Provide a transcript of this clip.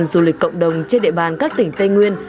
du lịch cộng đồng trên địa bàn các tỉnh tây nguyên